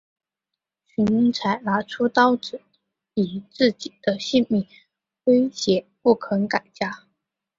荀采拿出刀子以自己的性命威胁不肯改嫁。